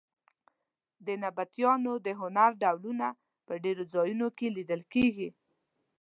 د نبطیانو د هنر ډولونه په ډېرو ځایونو کې لیدل کېږي.